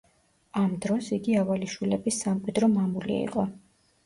ამ დროს იგი ავალიშვილების სამკვიდრო მამული იყო.